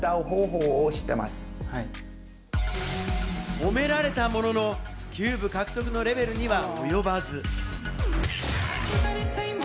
褒められたもの、キューブ獲得のレベルには及ばず。